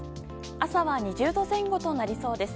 朝は２０度前後となりそうです。